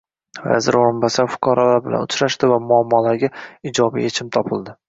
Vazir o‘rinbosari fuqarolar bilan uchrashdi va muammolarga ijobiy yechim topildi